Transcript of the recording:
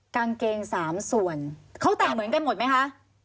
กางเกงสามส่วนเขาแต่งเหมือนกันหมดไหมคะ